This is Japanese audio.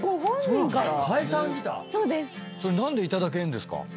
それ何で頂けるんですか？